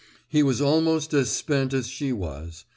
He was almost as spent as she was.